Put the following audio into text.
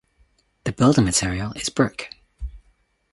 The building material is brick.